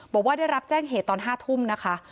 บอกว่าได้รับแจ้งเหตุตอน๕ทุ่มนะคะ